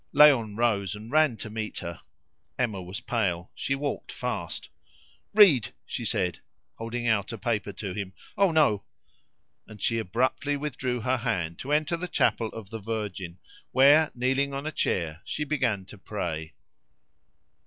Léon rose and ran to meet her. Emma was pale. She walked fast. "Read!" she said, holding out a paper to him. "Oh, no!" And she abruptly withdrew her hand to enter the chapel of the Virgin, where, kneeling on a chair, she began to pray.